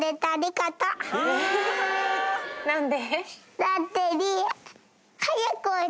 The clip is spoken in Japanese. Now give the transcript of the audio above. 何で？